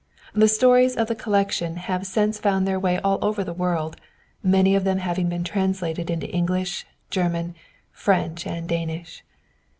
The stories of the collection have since found their way all over the world, many of them having been translated into English, German, French, and Danish.